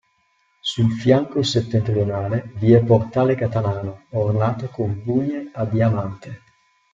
Sul fianco settentrionale vi è portale catalano, ornato con bugne a diamante.